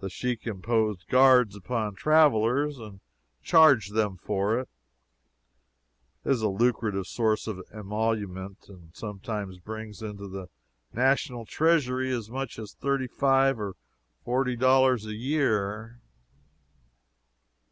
The Sheik imposed guards upon travelers and charged them for it. It is a lucrative source of emolument, and sometimes brings into the national treasury as much as thirty five or forty dollars a year.